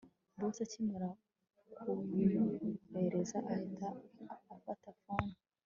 Boss akimara kurumuhereza ahita afata phone